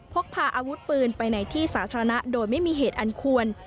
พกพาอาวุธปืนไปในที่สาธารณะโดยไม่มีเหตุอันควร